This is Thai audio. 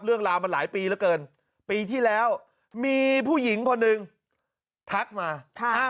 เรื่องราวมันหลายปีเหลือเกินปีที่แล้วมีผู้หญิงคนหนึ่งทักมา